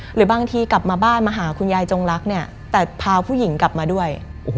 หรือบางทีกลับมาบ้านมาหาคุณยายจงรักเนี่ยแต่พาผู้หญิงกลับมาด้วย